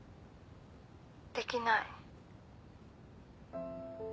できない。